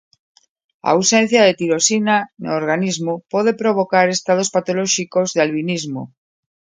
A ausencia de tirosina no organismo pode provocar estados patolóxicos de albinismo.